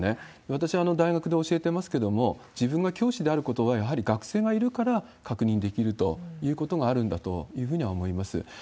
私、大学で教えてますけれども、自分が教師であることは、やはり学生がいるから確認できるということがあるんだというふうには思います。